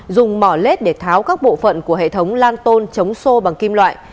dùng mỏ lết để tháo các bộ phận của hệ thống lan tôn chống sô bằng kim loại